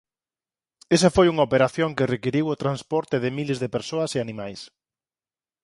Esa foi unha operación que requiriu o transporte de miles de persoas e animais.